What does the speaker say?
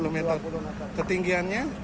dua puluh meter ketinggiannya